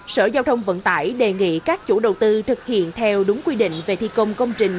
sở giao thông vận tải đề nghị các chủ đầu tư thực hiện theo đúng quy định về thi công công trình